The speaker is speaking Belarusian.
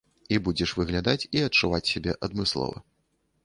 І будзеш выглядаць і адчуваць сябе адмыслова.